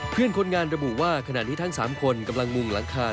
เพื่อนคนงานระบุว่าขณะนี้ทั้ง๓คนกำลังมุงหลังคา